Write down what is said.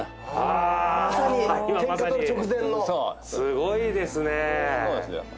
すごいですね。